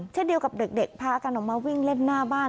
เช่นเดียวกับเด็กพากันออกมาวิ่งเล่นหน้าบ้าน